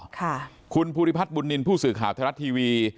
ค่ะคุณภูริพัฒน์บุญนินทร์ผู้สื่อข่าวไทยรัฐทีวี